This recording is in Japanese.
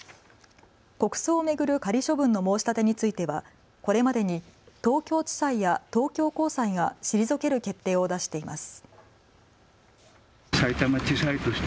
国葬を巡る仮処分の申し立てについてはこれまでに東京地裁や東京高裁が退ける決定を出しています。